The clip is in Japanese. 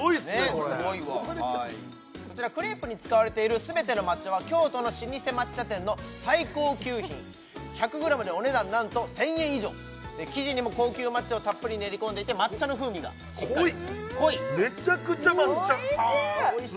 これこちらクレープに使われている全ての抹茶は京都の老舗抹茶店の最高級品１００ｇでお値段なんと１０００円以上生地にも高級抹茶をたっぷり練り込んでいて抹茶の風味がしっかり濃い濃いめちゃくちゃ抹茶おいしい！